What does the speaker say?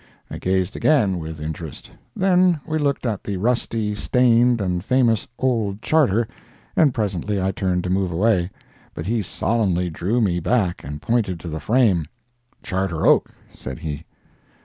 I gazed again with interest. Then we looked at the rusty, stained and famous old Charter, and presently I turned to move away. But he solemnly drew me back and pointed to the frame. "Charter Oak," said he.